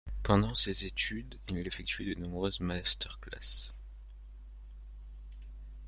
Pendant ses études, il effectue de nombreuses master classes.